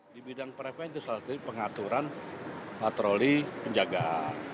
di bidang preven itu salah satu pengaturan patroli penjagaan